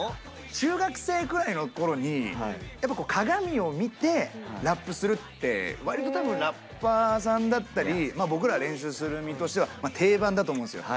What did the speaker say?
中学生ぐらいの頃にやっぱこう鏡を見てラップするって割と多分ラッパーさんだったり僕ら練習する身としては定番だと思うんすよ。